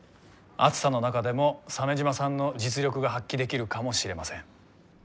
暑さの中でも鮫島さんの実力が発揮できるかもしれません。